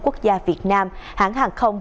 quốc gia việt nam hãng hàng không